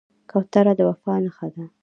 کوتره د وفا نښه ده.